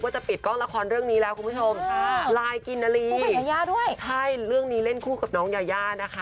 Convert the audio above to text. ใช่เรื่องนี้เล่นคู่กับน้องยาย่านะคะ